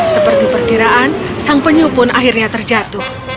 seperti perkiraan sang penyu pun akhirnya terjatuh